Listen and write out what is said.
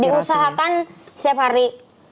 diusahakan setiap hari